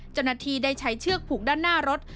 เจ้าหน้าที่ได้ใช้เชือกผูกด้านหน้ารถ